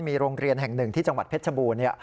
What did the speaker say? มีโรงเรียนแห่งหนึ่งที่จังหวัดเพชรชบูรณ์